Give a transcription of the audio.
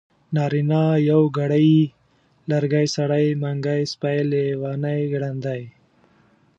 نارينه يوګړی ی لرګی سړی منګی سپی لېوانی ګړندی